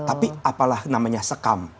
tapi apalah namanya sekam